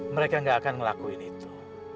mereka gak akan ngelakuin itu